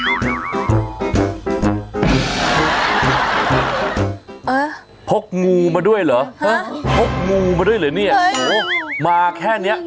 พกงูมาด้วยเหรอฮะพกงูมาด้วยเหรอเนี่ยโหมาแค่เนี้ย